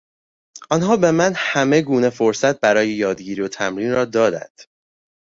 آنها به من همه گونه فرصت برای یادگیری و تمرین را دادند.